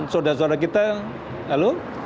saudara saudara kita halo